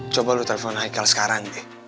coba lu telepon haikal sekarang deh